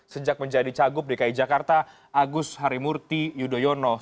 sejak menjadi cagup dki jakarta agus harimurti yudhoyono